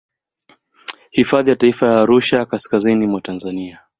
Hifadhi ya taifa ya Arusha kaskazini mwa Tanzania